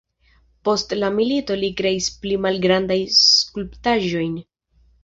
Post la milito li kreis pli malgrandajn skulptaĵojn.